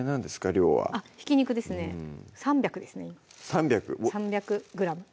量はひき肉ですね３００ですね３００おっ３００ｇ